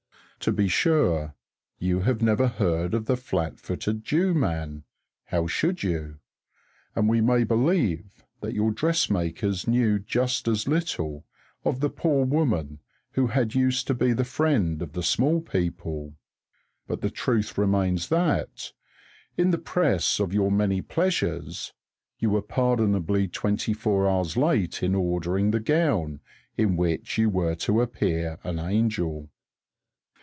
To be sure, you have never heard of the flat footed Jew man how should you? And we may believe that your dressmakers knew just as little of the poor woman who had used to be the friend of the Small People. But the truth remains that, in the press of your many pleasures, you were pardonably twenty four hours late in ordering the gown in which you were to appear an angel.